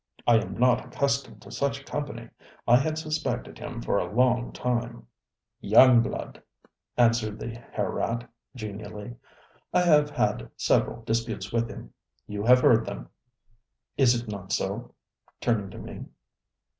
I am not accustomed to such company. I had suspected him for a long time. ŌĆØ ŌĆ£Young blood, ŌĆØ answered the Herr Rat genially. ŌĆ£I have had several disputes with himŌĆöyou have heard themŌĆöis it not so? ŌĆØ turning to me.